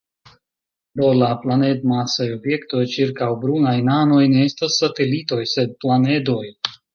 Do, la planed-masaj objektoj ĉirkaŭ brunaj nanoj ne estas satelitoj, sed planedoj.